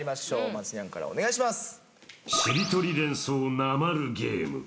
松ニャンからお願いします。